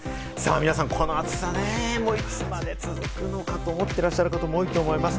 皆さんこの暑さ、いつまで続くのかと思ってらっしゃるかと思います。